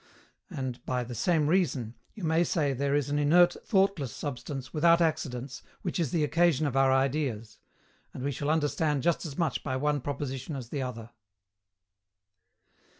And, by the same reason, you may say there is an inert thoughtless substance without accidents which is the occasion of our ideas. And we shall understand just as much by one proposition as the other.